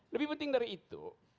lebih penting dari itu